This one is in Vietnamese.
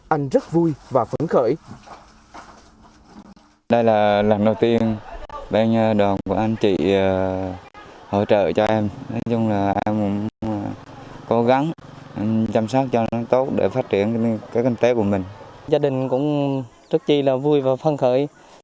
anh rất vui và phấn khởi